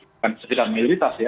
bukan sekitar mayoritas ya